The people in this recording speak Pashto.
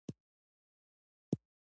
د شونډو د چاودیدو لپاره شات وکاروئ